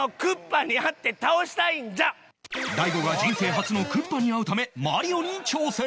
大悟が人生初のクッパに会うため『マリオ』に挑戦！